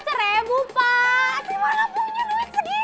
saya malah punya duit segitu